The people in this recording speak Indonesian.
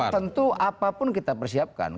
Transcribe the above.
tentu apapun kita persiapkan